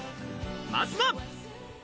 まずは。